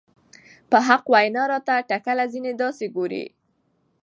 په حق وېنا راته تکله ځينې داسې ګوري